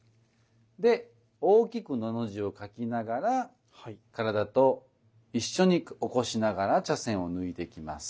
で大きく「の」の字を書きながら体と一緒に起こしながら茶筅を抜いていきます。